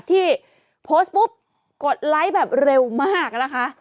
ที่โพสต์ปุ๊บกดไลค์แบบเร็วมากนะคะ